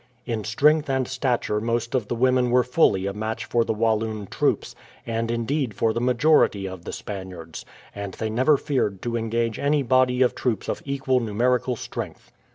In strength and stature most of the women were fully a match for the Walloon troops, and indeed for the majority of the Spaniards; and they never feared to engage any body of troops of equal numerical strength.